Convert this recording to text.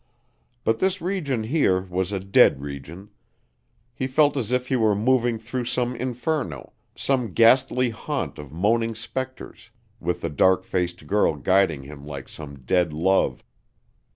But this region here was a dead region. He felt as if he were moving through some inferno, some ghastly haunt of moaning specters, with the dark faced girl guiding him like some dead love.